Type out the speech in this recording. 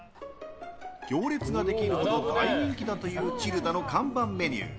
行列ができるほど大人気だというｃｈｉｌｌｄａの看板メニュー。